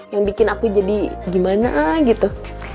yang bikin aku jadi gimana gitu